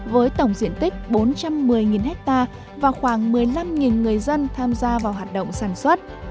với tổng diện tích bốn trăm một mươi ha và khoảng một mươi năm người dân tham gia vào khóa học